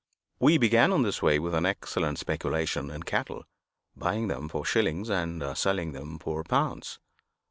We began in this way with an excellent speculation in cattle buying them for shillings and selling them for pounds.